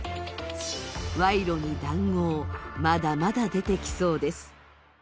賄賂に談合、まだまだ出てきそうです。